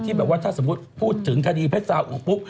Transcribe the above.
แบบว่าถ้าสมมุติพูดถึงคดีเพชรสาอุปุ๊บ